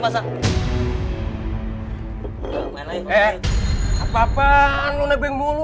heeh apa apaan lu nebeng mulu